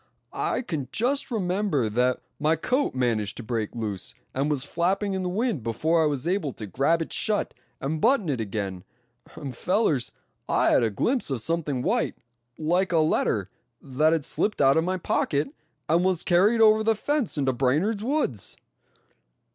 "I can just remember that my coat managed to break loose, and was flapping in the wind before I was able to grab it shut, and button it again. And fellers, I had a glimpse of something white, like a letter, that had slipped out of my pocket, and was carried over the fence into Brainard's woods!"